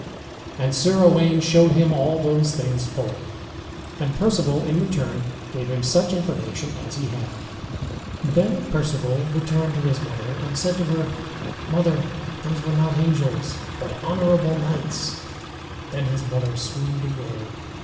And Sir Owain showed him all those things fully. And Perceval in return gave him such information as he had Then Perceval returned to his mother, and said to her, "Mother, those were not angels, but honorable knights." Then his mother swooned away.